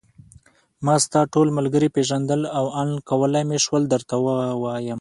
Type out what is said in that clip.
ما ستا ټول ملګري پېژندل او آن کولای مې شول درته ووایم.